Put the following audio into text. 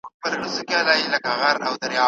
د رخصتۍ وختونه کله دي؟